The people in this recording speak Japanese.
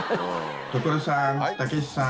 所さんたけしさん。